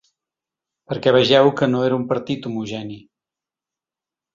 Perquè vegeu que no era un partit homogeni.